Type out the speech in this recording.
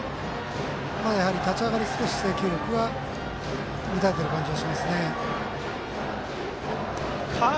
やはり立ち上がり、少し制球力が乱れている感じはしますね。